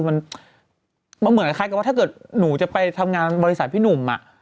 มันเหมือนคล้ายกับว่าถ้าเกิดหนูจะไปทำงานบริษัทพี่หนุ่ม